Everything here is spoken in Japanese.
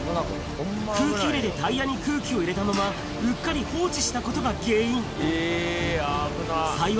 空気入れでタイヤに空気を入れたまま、うっかり放置したことが原因。